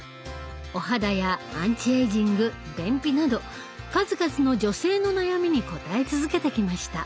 お肌やアンチエイジング便秘など数々の女性の悩みに応え続けてきました。